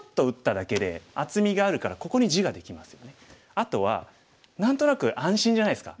あとは何となく安心じゃないですか。